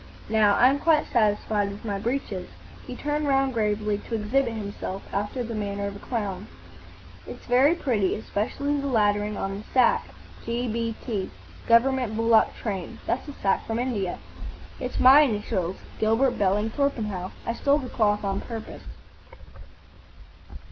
Now, I'm quite satisfied with my breeches." He turned round gravely to exhibit himself, after the manner of a clown. "It's very pretty. Specially the lettering on the sack. G.B.T. Government Bullock Train. That's a sack from India." "It's my initials,—Gilbert Belling Torpenhow. I stole the cloth on purpose.